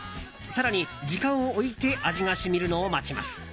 更に時間を置いて味が染みるのを待ちます。